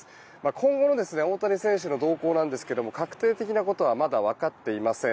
今後の大谷選手の動向なんですが確定的なことはまだわかっていません。